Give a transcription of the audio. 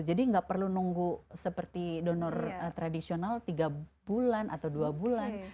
jadi tidak perlu menunggu seperti donor tradisional tiga bulan atau dua bulan